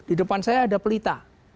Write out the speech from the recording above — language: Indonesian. di depan saya ada pelita